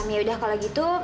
yaudah kalau gitu